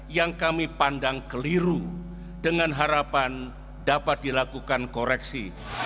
yang kami pandang keliru dengan harapan dapat dilakukan koreksi